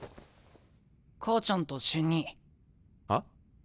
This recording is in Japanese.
母ちゃんと瞬兄。は？